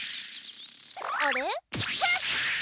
あれ？